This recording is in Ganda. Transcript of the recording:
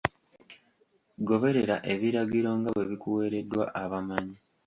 Goberera ebiragiro nga bwe bikuweereddwa abamanyi.